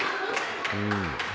うん。